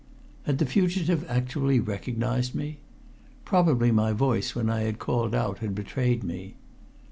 Had the fugitive actually recognized me? Probably my voice when I had called out had betrayed me.